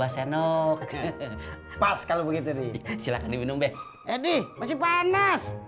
apa tuh lupa